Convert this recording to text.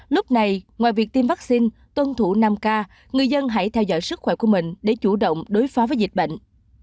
lúc này ngoài việc tiêm vaccine tuân thủ năm k người dân hãy theo dõi sức khỏe của mình để chủ động đối phó với dịch bệnh